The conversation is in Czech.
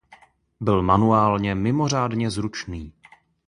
Byl manuálně mimořádně zručný.